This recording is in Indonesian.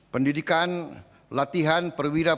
pendidikan latihan perwira perwiraan